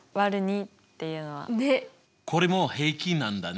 これも平均なんだね。